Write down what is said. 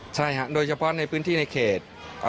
ใช่ค่ะโดยเฉพาะในพื้นที่ในเขต